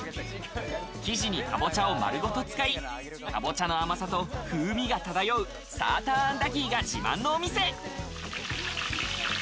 生地にかぼちゃを丸ごと使い、かぼちゃの甘さと風味が漂うサーターアンダギーが自慢のお店。